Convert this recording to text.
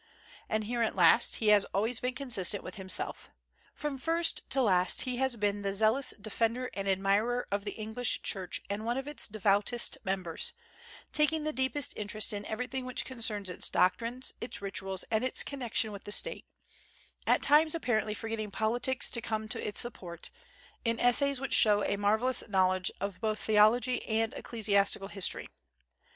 And here, at least, he has always been consistent with himself. From first to last he has been the zealous defender and admirer of the English Church and one of its devoutest members, taking the deepest interest in everything which concerns its doctrines, its ritual, and its connection with the State, at times apparently forgetting politics to come to its support, in essays which show a marvellous knowledge of both theology and ecclesiastical history.